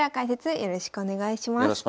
よろしくお願いします。